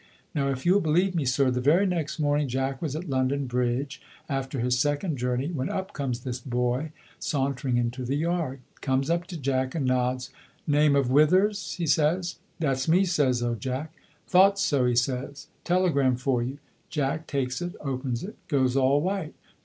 Now, if you'll believe me, sir, the very next morning Jack was at London Bridge after his second journey, when up comes this boy, sauntering into the yard. Comes up to Jack and nods. 'Name of Withers?' he says. 'That's me,' says old Jack. 'Thought so,' he says. 'Telegram for you.' Jack takes it, opens it, goes all white.